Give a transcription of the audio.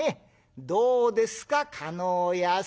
どうですか叶屋さん。